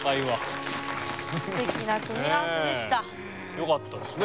よかったですね